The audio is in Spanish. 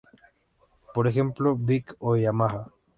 Por ejemplo: Bic o Yamaha.